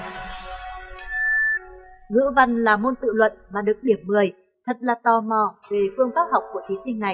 ngữ văn là môn tự luận mà được điểm một mươi thật là tò mò về phương pháp học của thí sinh này